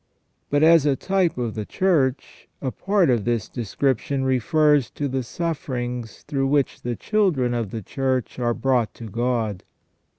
But, as a type of the Church, a part of this description refers to the suffer ings through which the children of the Church are brought to God.